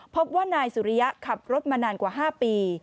พบว่านายสุริยะขับรถมานานกว่า๕ปี